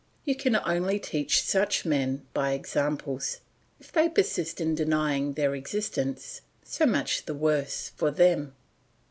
You can only teach such men by examples; if they persist in denying their existence, so much the worse for them.